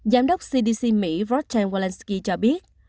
giám đốc cdc mỹ rodney walensky cho biết